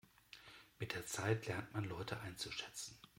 Mit der Zeit lernt man Leute einzuschätzen.